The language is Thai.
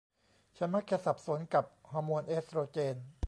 ฉันมักจะสับสนกับฮอร์โมนเอสโตรเจน